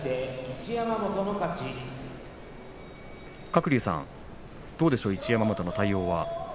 鶴竜さん、どうでしょう一山本の対応は。